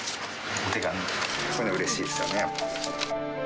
こういうのうれしいですよね。